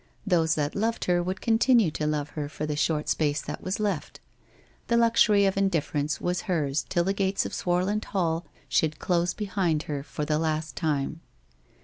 Those that loved her would continue to love her for the short space that was left. The luxury of indifference was hers till the gates of Swarland Hall should close behind her for the last time.